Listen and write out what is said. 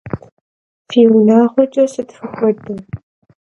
Fi vunağueç'e sıt fıxuede?